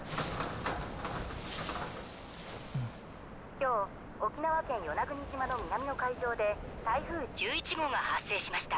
今日沖縄県与那国島の南の海上で台風１１号が発生しました。